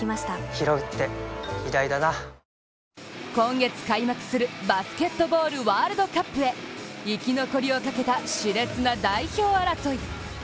ひろうって偉大だな今月開幕するバスケットボールワールドカップへ、生き残りをかけたしれつな代表争い。